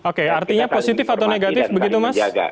oke artinya positif atau negatif begitu mas